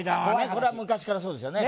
これは昔からそうですよね